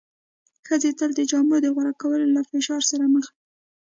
ښځې تل د جامو د غوره کولو له فشار سره مخ وې.